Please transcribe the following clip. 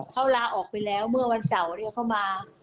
เขาลาออกไปแล้วเมื่อวันเสาร์เขามา